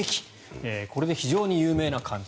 これで非常に有名な監督。